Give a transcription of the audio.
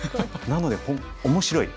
なので面白い。